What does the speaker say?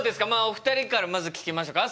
お二人からまず聞きましょうか。